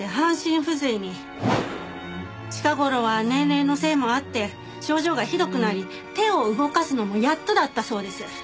近頃は年齢のせいもあって症状がひどくなり手を動かすのもやっとだったそうです。